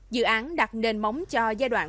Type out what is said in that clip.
dự án đặt nền móng cho giai đoạn